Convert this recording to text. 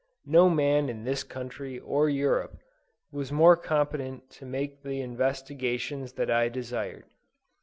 No man in this country or Europe, was more competent to make the investigations that I desired.